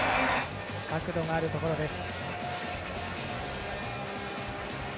角度のあるところです。